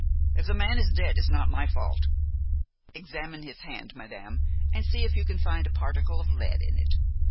"If the man is dead it's not my fault; examine his hand, madame, and see if you can find a particle of lead in it."